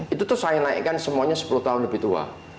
itu tuh saya naikkan semuanya sepuluh tahun lebih tua